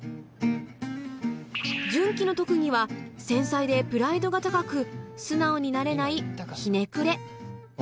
順基の特技は繊細でプライドが高く素直になれない